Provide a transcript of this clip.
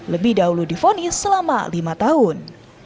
lebih dahulu difonis selama lima tahun